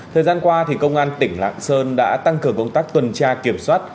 thời gian qua công an tỉnh lạng sơn đã tăng cường công tác tuần tra kiểm soát